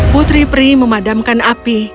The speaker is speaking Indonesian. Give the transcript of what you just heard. putri pri memadamkan api